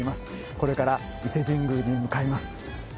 これから伊勢神宮に向かいます。